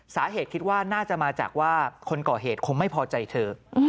สาเหตุคิดว่าน่าจะมาจากว่าคนก่อเหตุคงไม่พอใจเธอ